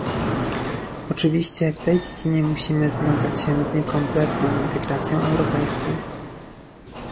Oczywiście w tej dziedzinie musimy zmagać się z niekompletną integracją europejską